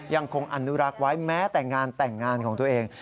ยังคงอนุรักษ์ไว้แม้แต่งานแต่งงานของตัวเอง